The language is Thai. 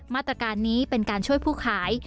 มาตรการนี้เป็นการช่วยผู้ขาย